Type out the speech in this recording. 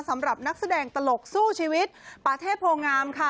สำหรับนักแสดงตลกสู้ชีวิตปาเทพโรงามค่ะ